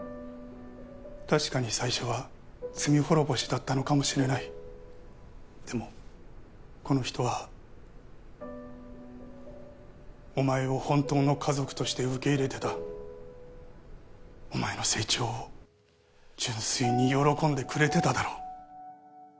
確かに最初は罪滅ぼしだったのかもしれないでもこの人はお前を本当の家族として受け入れてたお前の成長を純粋に喜んでくれてただろ？